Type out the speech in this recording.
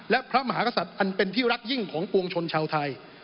และพระมหากษัตริย์อันเป็นที่รักยิ่งของปวงชนชาวไทย